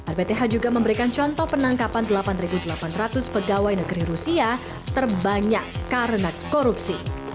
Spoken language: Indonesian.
rbth juga memberikan contoh penangkapan delapan delapan ratus pegawai negeri rusia terbanyak karena korupsi